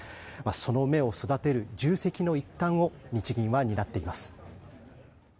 その芽を育てる重責の一端を日銀は担っています。